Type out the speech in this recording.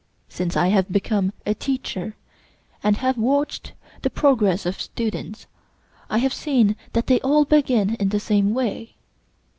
Since I have become a teacher, and have watched the progress of students, I have seen that they all begin in the same way.